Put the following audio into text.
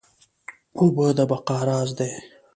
اوبه د بقا راز دي